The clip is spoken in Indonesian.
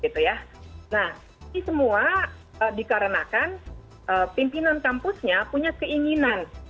nah ini semua dikarenakan pimpinan kampusnya punya keinginan